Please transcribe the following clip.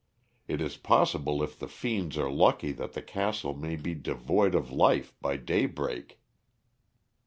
It is possible if the fiends are lucky that the castle may be devoid of life by daybreak."